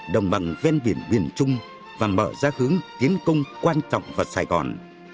đồng bằng ven biển miền trung và mở ra hướng tiến công quan trọng vào sài gòn